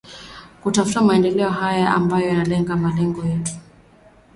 kutafuta maendeleo hayo ambayo ndio lengo letu